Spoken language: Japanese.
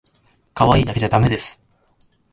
かわいいだけじゃだめです